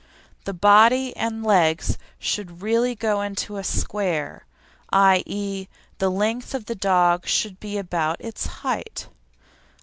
The body and legs should really go into a square, i.e., the length of the dog should be about its height.